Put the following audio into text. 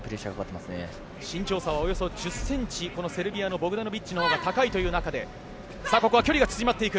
身長差はおよそ１０ｃｍセルビアのボクダノビッチのほうが高い中でここは距離が縮まっていく。